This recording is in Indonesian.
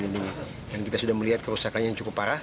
dan kita sudah melihat kerusakan yang cukup parah